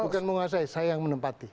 bukan menguasai saya yang menempati